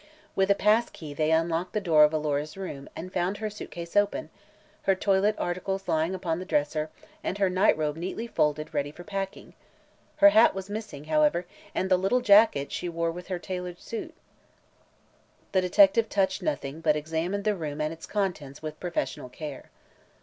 With a pass key they unlocked the door of Alora's room and found her suit case open, her toilet articles lying upon the dresser and her nightrobe neatly folded ready for packing. Her hat was missing, however, and the little jacket she wore with her tailored suit. The detective touched nothing but examined the room and its contents with professional care.